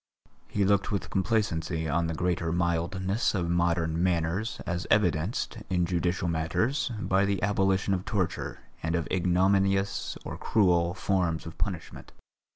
He looked with complacency on the greater mildness of modern manners as evidenced, in judicial matters, by the abolition of torture and of ignominious or cruel forms of punishment.